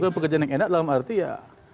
pekerjaan yang enak dalam arti ya